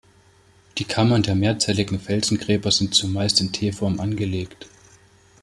Die Kammern der mehrzelligen Felsengräber sind zumeist in T-Form angelegt.